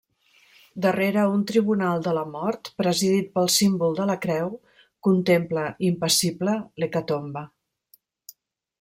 Darrere un tribunal de la mort, presidit pel símbol de la creu, contempla impassible l'hecatombe.